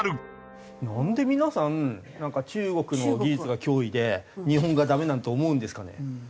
なんで皆さんなんか中国の技術が脅威で日本がダメなんて思うんですかね。